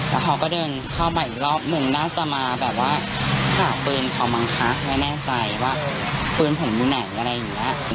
แล้วเขาก็เดินเข้ามาอีกรอบหนึ่งน่าจะมาแบบว่าฝากปืนเขามั้งคะไม่แน่ใจว่าปืนผมอยู่ไหนอะไรอย่างเงี้ย